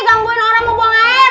gangguin orang mau buang air